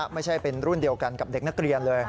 ไม่ใช่เป็นรุ่นเดียวกันกับเด็กนักเรียนเลย